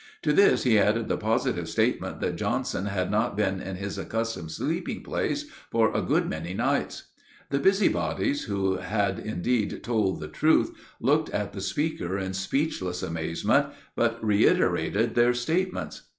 To this he added the positive statement that Johnson had not been in his accustomed sleeping place for a good many nights. The busybodies, who had indeed told the truth, looked at the speaker in speechless amazement, but reiterated their statements.